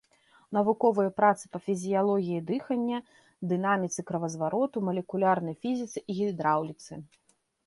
Навуковыя працы па фізіялогіі дыхання, дынаміцы кровазвароту, малекулярнай фізіцы і гідраўліцы.